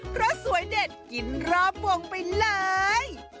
เพราะสวยเด็ดกินรอบวงไปเลย